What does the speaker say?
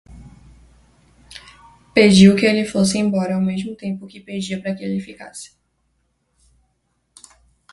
Pediu que ele fosse embora, ao mesmo tempo que pedia para que ele ficasse.